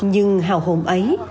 nhưng hào hồn ấy